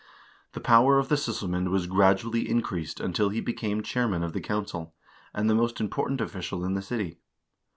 The power of the sysselmand was gradually increased until he became chairman of the council, and the most important official in the city.